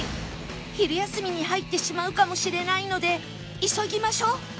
昼休みに入ってしまうかもしれないので急ぎましょう